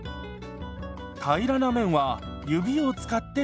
平らな面は指を使って拭きます。